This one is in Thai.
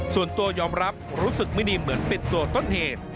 ส่วนตัวยอมรับรู้สึกไม่ดีเหมือนเป็นตัวต้นเหตุ